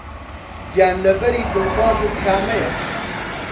گیانلەبەری دڵخوازت کامەیە؟